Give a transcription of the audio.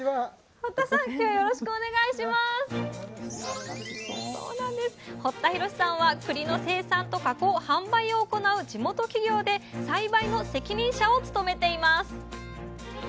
堀田弘さんはくりの生産と加工販売を行う地元企業で栽培の責任者を務めています。